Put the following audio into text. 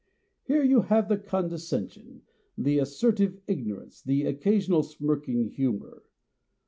Here you have the con descension, the assertive ignorance, the oc casional smirking humour.